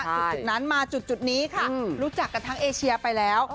จุดนั้นมาจุดนี้ค่ะรู้จักกันทั้งเอเชียไปแล้ว